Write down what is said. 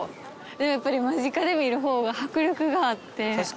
やっぱり間近で見る方が迫力があって。